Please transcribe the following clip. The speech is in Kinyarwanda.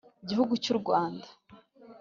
gihugu cy u Rwanda